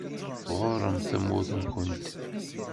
Tɣuṛṛemt tamurt-nkent.